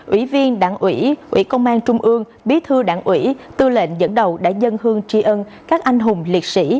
ủy viên đảng ủy ủy công an trung ương bí thư đảng ủy tư lệnh dẫn đầu đã dân hương tri ân các anh hùng liệt sĩ